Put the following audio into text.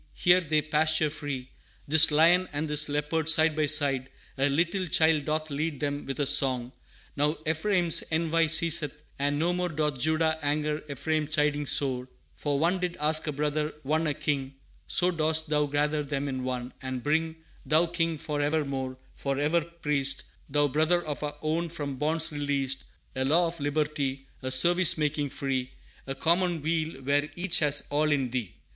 here they pasture free, This lion and this leopard, side by side, A little child doth lead them with a song; Now, Ephraim's envy ceaseth, and no more Doth Judah anger Ephraim chiding sore, For one did ask a Brother, one a King, So dost Thou gather them in one, and bring Thou, King forevermore, forever Priest, Thou, Brother of our own from bonds released A Law of Liberty, A Service making free, A Commonweal where each has all in Thee.